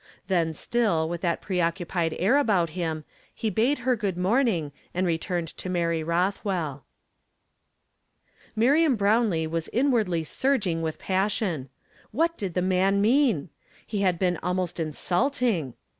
Then still with that preoccupied air about him he bade her good morn ing, and returned to Mary Uothwell. Miriam Hrownlee was inwardly surging with passion. What did the man mean '^ He had been almost insulting!